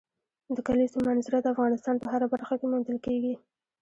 د کلیزو منظره د افغانستان په هره برخه کې موندل کېږي.